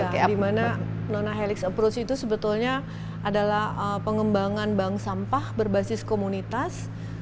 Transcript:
dimana nonahelix approach itu sebetulnya adalah pengembangan bank sampah berbasis komunitas